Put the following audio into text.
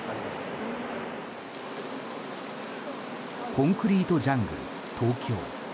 コンクリートジャングル東京。